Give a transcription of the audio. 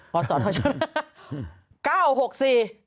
ขอมอเชาะนะโอเค